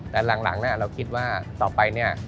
แต่หลังเราคิดว่าต่อไปเนี่ย